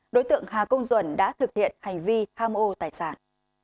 đối tượng hà công duẩn đã thực hiện hành vi tham ô tài sản